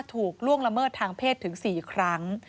ล่วงละเมิดทางเพศถึง๔ครั้ง